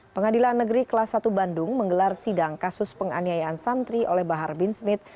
pengadilan negeri kelas satu bandung menggelar sidang kasus penganiayaan santri oleh bahar bin smith